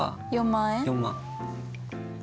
４万円？